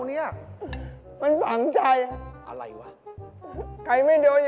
เดินให้พันเลย